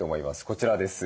こちらです。